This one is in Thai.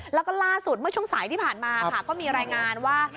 แล้วก็ล่าสุดเมื่อช่วงสายที่ผ่านมาค่ะก็มีรายงานว่า